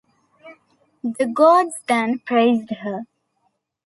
The gods then praised her.